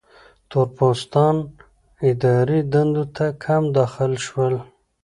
تور پوستان اداري دندو ته کم داخل شول.